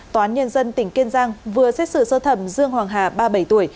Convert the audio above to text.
tòa án nhân dân tỉnh kiên giang vừa xét xử sơ thẩm dương hoàng hà ba mươi bảy tuổi